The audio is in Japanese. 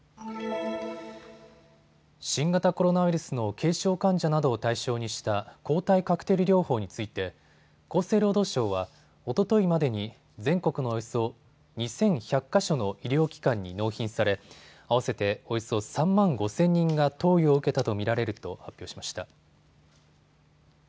新型コロナウイルスの軽症患者などを対象にした抗体カクテル療法について厚生労働省はおとといまでに全国のおよそ２１００か所の医療機関に納品され合わせておよそ３万５０００人が投与を受けたと見られると発表しました。